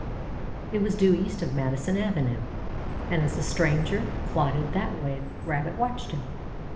It was due east of Madison Avenue, and as the stranger plodded that way the Rabbit watched him.